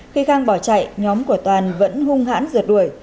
khi khang bỏ chạy nhóm của toàn vẫn hung hãn rượt đuổi